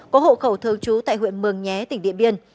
có hộ khẩu thương chú tại huyện mường nhé tỉnh điện biên